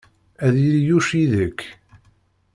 Ad yili Yuc yid-k.